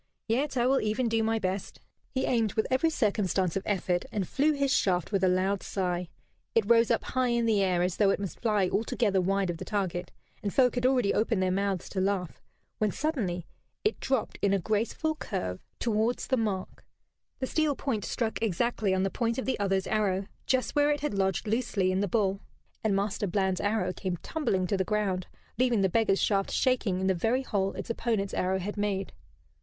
"Yet I will even do my best." He aimed with every circumstance of effort, and flew his shaft with a loud sigh. It rose up high in the air as though it must fly altogether wide of the target, and folk had already opened their mouths to laugh, when suddenly it dropped in a graceful curve towards the mark, the steel point struck exactly on the point of the other's arrow, just where it had lodged loosely in the bull, and Master Bland's arrow came tumbling to the ground, leaving the beggar's shaft shaking in the very hole its opponent's arrow had made.